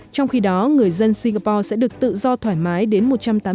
trong khi đó người dân singapore sẽ được tự do thoải mái đến một nơi khác